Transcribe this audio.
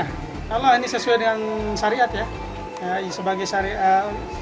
kalau ini sesuai dengan kemampuan